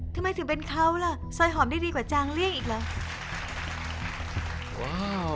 ทำไมถึงเป็นเขาล่ะซอยหอมได้ดีกว่าจางเลี่ยงอีกเหรอ